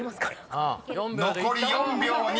［残り４秒２。